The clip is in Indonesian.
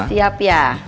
udah siap ya